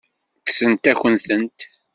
Kksent-akent-tent.